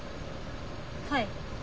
はい。